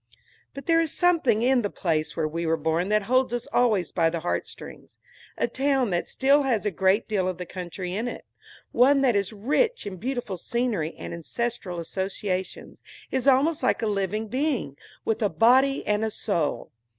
But there is something in the place where we were born that holds us always by the heartstrings. A town that still has a great deal of the country in it, one that is rich in beautiful scenery and ancestral associations, is almost like a living being, with a body and a soul.